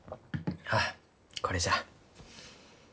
あこれじゃ。